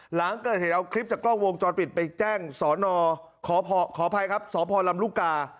หลังเกิดเหตุเอาคลิปจากกล้องวงจรปิดไปแจ้งสอนอขออภัยครับสพลำลูกกา